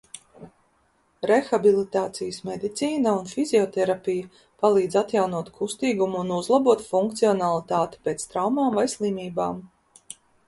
Rehabilitācijas medicīna un fizioterapija palīdz atjaunot kustīgumu un uzlabot funkcionalitāti pēc traumām vai slimībām.